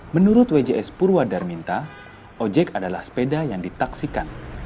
menurut wjs purwadarminta ojek adalah sepeda yang ditaksikan